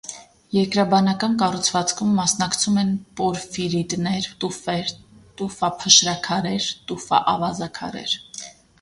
Երկրաբանական կառուցվածքում մասնակցում են պորֆիրիտներ, տուֆեր, տուֆափշրաքարեր, տուֆաավազաքարեր։